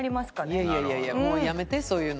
いやいやいやいやもうやめてそういうの。